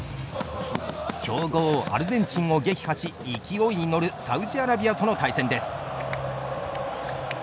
強豪アルゼンチンを撃破し勢いに乗るサウジアラビアとの対戦です。